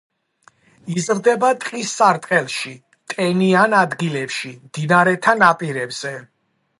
იზრდება ტყის სარტყელში, ტენიან ადგილებში, მდინარეთა ნაპირებზე.